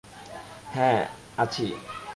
হ্যাঁ, আছি!